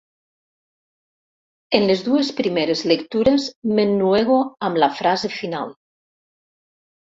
En les dues primeres lectures m'ennuego amb la frase final.